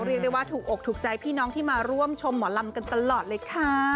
เรียกได้ว่าถูกอกถูกใจพี่น้องที่มาร่วมชมหมอลำกันตลอดเลยค่ะ